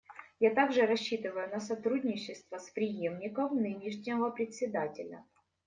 Я также рассчитываю на сотрудничество с преемником нынешнего Председателя.